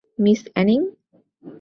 Miss Anning?